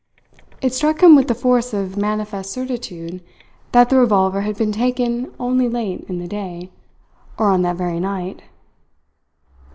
It struck him with the force of manifest certitude that the revolver had been taken only late in the day, or on that very night.